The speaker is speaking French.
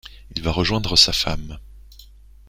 Il va rejoindre sa femme